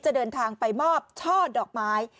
เดินทางไปมอบช่อดอกไม้